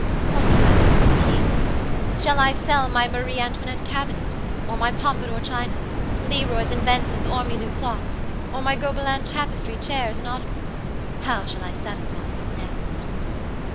What can I do to appease you? Shall I sell my Marie Antoinette cabinet, or my pompadour china, Leroy's and Benson's ormolu clocks, or my Gobelin tapestried chairs and ottomans? How shall I satisfy you next?"